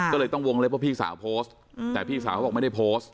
ก็เลยต้องวงเล็บว่าพี่สาวโพสต์แต่พี่สาวเขาบอกไม่ได้โพสต์